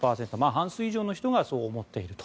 半数以上の人がそう思っていると。